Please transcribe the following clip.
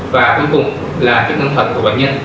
và cuối cùng là chức năng thần của bệnh nhân